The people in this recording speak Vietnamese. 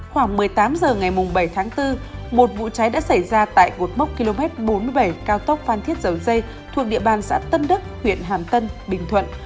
khoảng một mươi tám h ngày bảy tháng bốn một vụ cháy đã xảy ra tại cột mốc km bốn mươi bảy cao tốc phan thiết dầu dây thuộc địa bàn xã tân đức huyện hàm tân bình thuận